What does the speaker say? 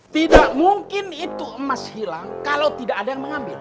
tidak mungkin itu emas hilang kalau tidak ada yang mengambil